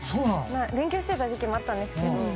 勉強してた時期もあったんですけど